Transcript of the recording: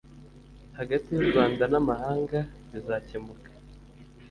hagati y u Rwanda namahanga bizakemuka